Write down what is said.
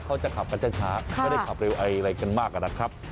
เขาจะขับกันช้าไม่ได้ขับเร็วอะไรกันมากนะครับ